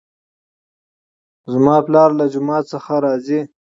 زما پلار له جومات څخه راځي